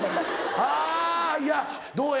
はぁいやどうや？